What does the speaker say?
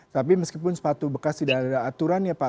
tapi meskipun sepatu bekas tidak ada aturan ya pak